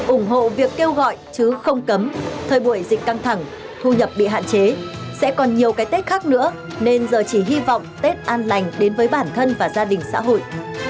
ủng hộ việc kêu gọi chứ không cấm thời buổi dịch căng thẳng thu nhập bị hạn chế sẽ còn nhiều cái tết khác nữa nên giờ chỉ hy vọng tết an lành đến với bản thân và gia đình xã hội